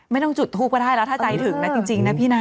ไม่ต้องจุดทูปก็ได้แล้วถ้าใจถึงนะจริงนะพี่นะ